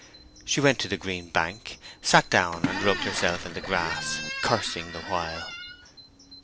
She went to the green bank, sat down and rubbed herself in the grass, cursing the while.